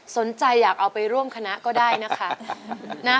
สนใจอยากเอาไปร่วมคณะก็ได้นะคะ